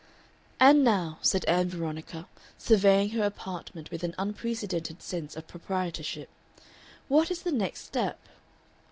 "And now," said Ann Veronica surveying her apartment with an unprecedented sense of proprietorship, "what is the next step?"